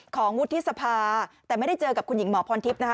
ของวุฒิสภาแต่ไม่ได้เจอกับคุณหญิงหมอพรทิพย์นะคะ